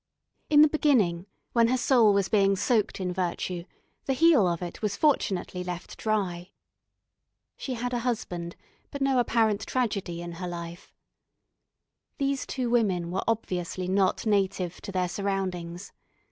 In the beginning, when her soul was being soaked in virtue, the heel of it was fortunately left dry. She had a husband, but no apparent tragedy in her life. These two women were obviously not native to their surroundings.